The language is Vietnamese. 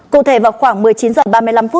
cụ thể vào khoảng một mươi chín h ba mươi năm